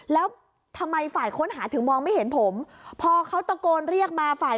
แล้วทำไมฝ่ายค้นหาถึงมองไม่เห็นผมพอเขาตะโกนเรียกมาฝ่าย